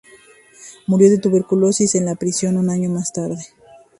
Murió de tuberculosis en la prisión un año más tarde.